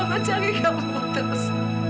maka jangan lagi kamu buat terus